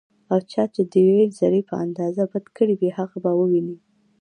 او چا چې ديوې ذرې په اندازه بدي کړي وي، هغه به وويني